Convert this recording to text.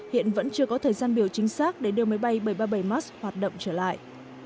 hiện vẫn chưa có thời gian biểu chính xác để đưa máy bay bảy trăm ba mươi bảy max hoạt động trở lại